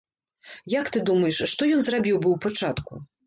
Як ты думаеш, што ён зрабіў бы ў пачатку?